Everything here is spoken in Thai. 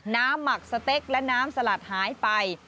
หมักสเต็กและน้ำสลัดหายไป